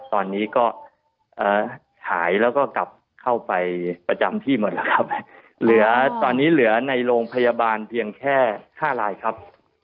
ตอนนี้ก็หายแล้วก็กลับเข้าไปประจำที่หมดแล้วครับเหลือตอนนี้เหลือในโรงพยาบาลเพียงแค่๕ลายครับ